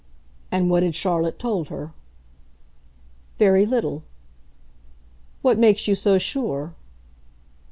"And what had Charlotte told her?" "Very little." "What makes you so sure?"